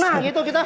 nah gitu kita